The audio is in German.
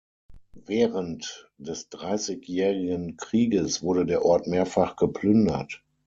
Während des Dreißigjährigen Krieges wurde der Ort mehrfach geplündert.